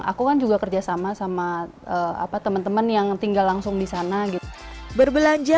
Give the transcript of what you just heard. aku kan juga kerjasama sama teman teman yang tinggal langsung di sana gitu berbelanja